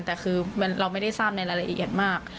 แต่คือเราไม่ได้ทราบในรายละเอียดมาก